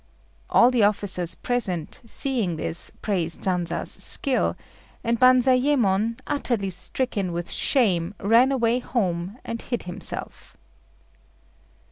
All the officers present, seeing this, praised Sanza's skill, and Banzayémon, utterly stricken with shame, ran away home and hid himself.